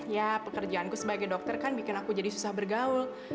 ya pekerjaanku sebagai dokter kan bikin aku jadi susah bergaul